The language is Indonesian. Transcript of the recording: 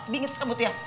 bingit sekebut ya